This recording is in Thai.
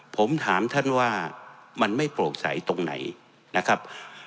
ผมถามท่านว่ามันไม่โปร่งใสตรงไหนนะครับ